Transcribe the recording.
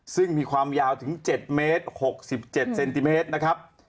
ซึ่งมีความยาวถึง๗เมตร๖๗เซนติเมตรนะครับ